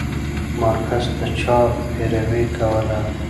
مارکس د چا پيروي کوله؟